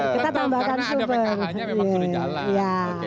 karena ada pkhnya memang sudah jalan